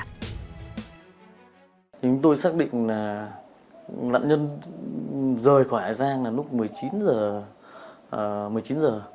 chúng tôi xác định là nạn nhân rời khỏi hà giang là lúc một mươi chín h